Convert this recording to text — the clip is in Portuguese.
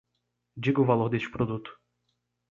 Diga o valor deste produto.